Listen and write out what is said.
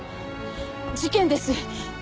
事件です！